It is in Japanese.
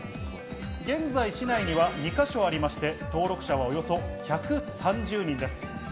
現在市内には２か所ありまして、登録者はおよそ１３０人です。